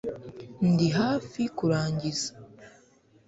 ndi hafi kurangiza